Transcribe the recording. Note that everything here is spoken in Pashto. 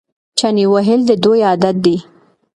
چنې وهل د دوی عادت دی.